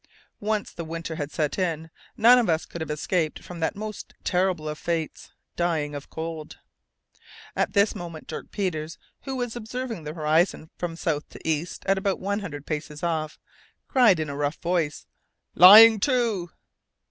Once the winter had set in, none of us could have escaped from that most terrible of fates dying of cold. At this moment, Dirk Peters, who was observing the horizon from south to east at about one hundred paces off, cried out in a rough voice: "Lying to!"